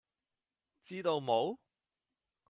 知道冇?